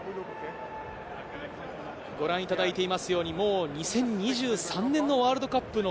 ご覧いただいていますように、２０２３年のワールドカップの